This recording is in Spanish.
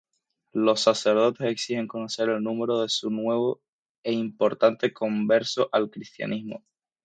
Los sacerdotes exigen conocer el nombre de su nuevo e importante converso al cristianismo.